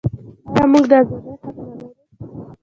آیا موږ د ازادۍ حق نلرو؟